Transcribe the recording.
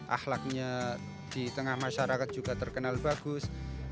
ahlaknya di tengah masyarakat juga terkenal bagus